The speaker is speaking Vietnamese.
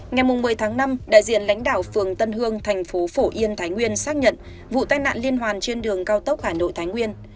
ngày một mươi tháng năm đại diện lãnh đạo phường tân hương thành phố phổ yên thái nguyên xác nhận vụ tai nạn liên hoàn trên đường cao tốc hà nội thái nguyên